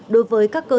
đối với các cơ sở